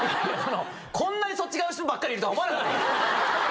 こんなにそっち側の人ばっかりいると思わなかった。